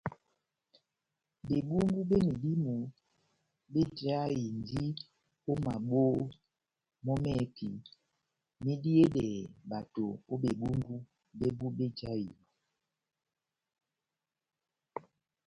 Bebumbu be medímo bejahindi o maboho mɔ mɛhɛpi mediyedɛhɛ bato o bebumbu bɛbu bejahinɔ.